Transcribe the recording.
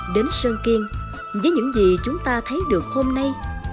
đến sơn kiên với những gì chúng ta thấy được hôm nay